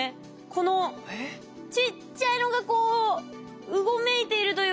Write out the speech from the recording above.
このちっちゃいのがこううごめいているというか。